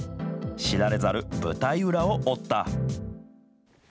知られざる舞台裏を追った。